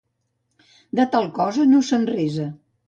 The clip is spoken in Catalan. De tal cosa no se'n resa.